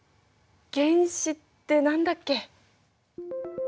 原子ってなんだっけ。